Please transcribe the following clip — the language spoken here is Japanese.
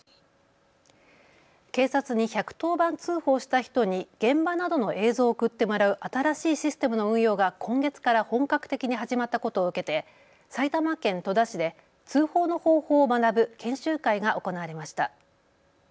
警察に１１０番通報した人に現場などの映像を送ってもらう新しいシステムの運用が今月から本格的に始まったことを受けて埼玉県戸田市で通報の方法を学ぶ研修会が行われました。